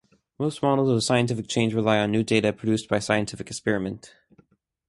Most models of scientific change rely on new data produced by scientific experiment.